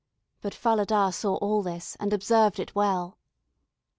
But Falada saw all this, and observed it well.